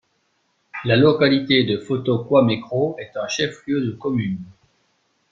La localité de Foto-Kouamékro est un chef-lieu de commune.